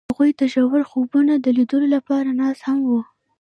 هغوی د ژور خوبونو د لیدلو لپاره ناست هم وو.